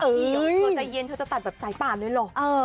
เข้าใจเย็นจะตัดกับสายปั่นเลยหรอก